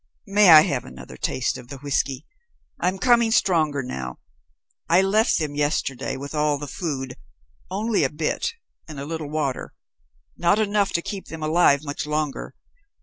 "May I have another taste of the whisky? I'm coming stronger now. I left them yesterday with all the food only a bit and a little water not enough to keep them alive much longer.